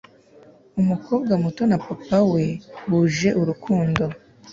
umukobwa muto na papa we wuje urukundo